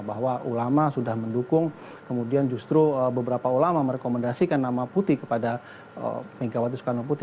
bahwa ulama sudah mendukung kemudian justru beberapa ulama merekomendasikan nama putih kepada megawati soekarno putri